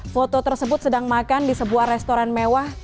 foto tersebut sedang makan di sebuah restoran mewah